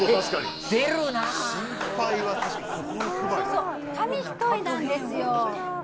そうそう紙一重なんですよ。